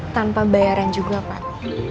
tanpa bayaran juga pak